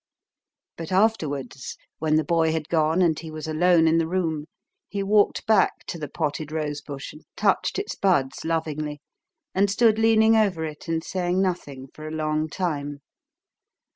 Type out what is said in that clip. But afterwards when the boy had gone and he was alone in the room he walked back to the potted rose bush and touched its buds lovingly, and stood leaning over it and saying nothing for a long time.